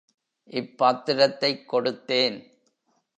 இப் பாத்திரத்தைக் கொடுத்தேன்.